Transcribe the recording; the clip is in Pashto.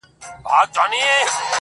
څه لېونۍ شاني گناه مي په سجده کي وکړه~